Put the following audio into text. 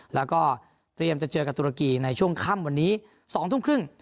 แล้วก็เตรียมจะเจอกับตุรกีในช่วงค่ำวันนี้๒ทุ่มครึ่ง